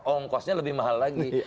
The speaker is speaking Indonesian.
ongkosnya lebih mahal lagi